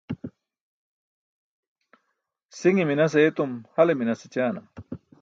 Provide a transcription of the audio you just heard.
Si̇ṅe minas ayetum hale minas écaana?